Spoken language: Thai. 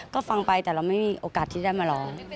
ก็ฟังไปแต่เราไม่มีโอกาสที่ได้มาร้อง